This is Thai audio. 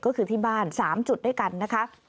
ก็คือที่บ้าน๓จุดด้วยกันนะคะ